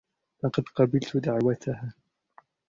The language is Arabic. لقد قبلت دعوتها.